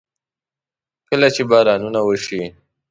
کله چې بارانونه وشي.